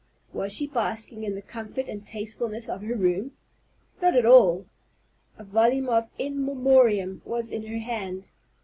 Was she basking in the comfort and tastefulness of her room? Not at all! A volume of "In Memoriam" was in her hand.